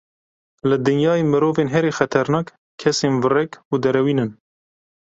Li dinyayê mirovên herî xeternak, kesên virek û derewîn in.